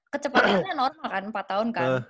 kecepatannya normal kan empat tahun kan